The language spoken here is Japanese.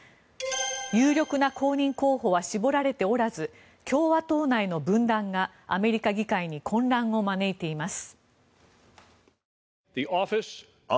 有力な後任候補は絞られておらず共和党内の分断がアメリカ議会に混乱を招いています。